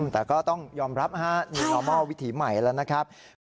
แต่ก็ต้องยอมรับธุรกิจวิถีใหม่แล้วนะครับ